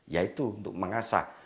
ya itu untuk mengasah